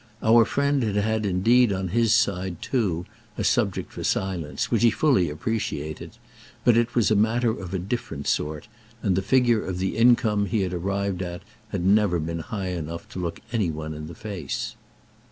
Our friend had had indeed on his side too a subject for silence, which he fully appreciated; but it was a matter of a different sort, and the figure of the income he had arrived at had never been high enough to look any one in the face.